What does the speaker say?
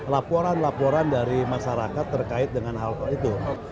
laporan laporan dari masyarakat terkait dengan hal itu